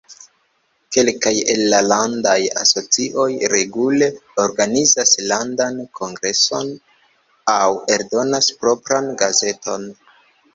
Kelkaj el la landaj asocioj regule organizas landan kongreson aŭ eldonas propran gazeton.